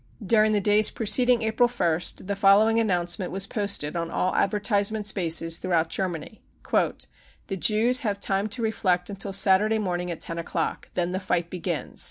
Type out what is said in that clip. During the days preceding April ist the following announcement was posted on all advertisement spaces throughout Germany :" The Jews have time to reflect until Saturday morning p.t 10 o'clock. Then the fight begins.